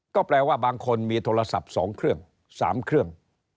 ก็แปลว่าบางคนมีโทรศัพท์๒เครื่อง๓เครื่อง